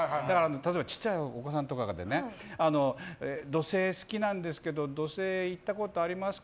例えば小さいお子さんとか土星好きなんですけど土星行ったことありますか？